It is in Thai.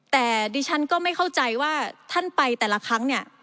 แต่ดิฉันก็ไม่เข้าใจว่าท่านไปแต่ละครั้งเนี่ย